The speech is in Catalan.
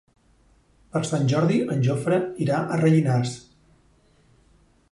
Per Sant Jordi en Jofre irà a Rellinars.